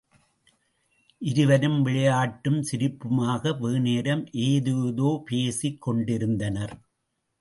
இருவரும் விளையாட்டும் சிரிப்புமாக வெகுநேரம் ஏதேதோ பேசிக் கொண்டிருந்தனர்.